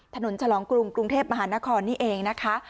ฉลองกรุงกรุงเทพมหานครนี่เองนะคะ